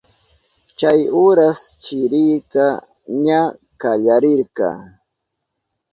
Chay uras chirika ña kallarirka.